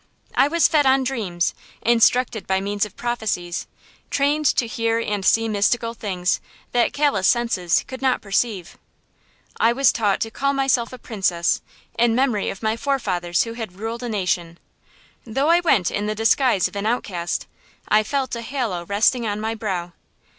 I was fed on dreams, instructed by means of prophecies, trained to hear and see mystical things that callous senses could not perceive. I was taught to call myself a princess, in memory of my forefathers who had ruled a nation. Though I went in the disguise of an outcast, I felt a halo resting on my brow.